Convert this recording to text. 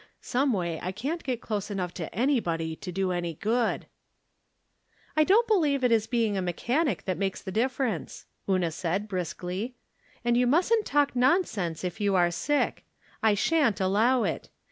Someway I can't get close enough to anybody to do any good." " I don't believe it is being a mechanic that makes the difference," Una said, briskly. " And you musn't talk nonsense, if you are sick. I shan't allow it.